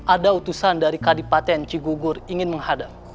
ada utusan dari ketipatan cikgu gur ingin menghadap